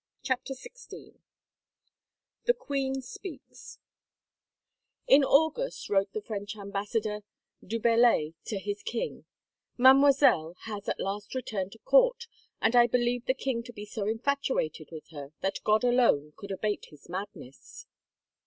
". CHAPTER XVI THE QUEEN SPEAKS IN August wrote the French Ambassador, Du Bellai, to his king :*' Mademoiselle has at last returned to court and I believe the king to be so infatuated with her that God alone could abate his madness."